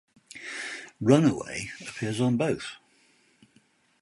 "Runaway" appears on both.